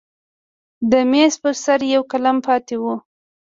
د میز پر سر یو قلم پاتې و.